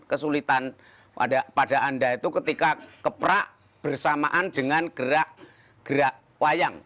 kesulitan pada anda itu ketika keprak bersamaan dengan gerak gerak wayang